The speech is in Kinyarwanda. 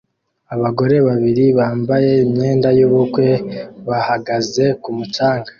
Abagore babiri bambaye imyenda yubukwe bahagaze ku mucanga